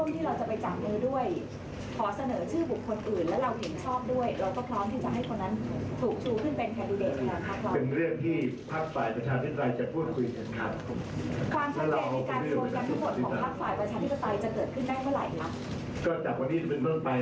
ถ้าหมายความว่าพักร่วมที่เราจะไปจับมือด้วยขอเสนอชื่อบุคคลคนอื่นและเราถึงชอบด้วย